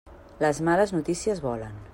Les males notícies volen.